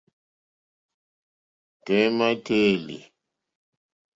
Tɔ̀ímá téèlì.